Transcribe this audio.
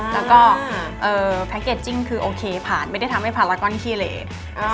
แล้วก็แพ็คเกจจิ้งคือโอเคผ่านไม่ได้ทำให้พารากอนขี้เลส